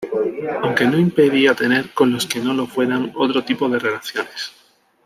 Aunque no impedía tener con los que no lo fueran otro tipo de relaciones.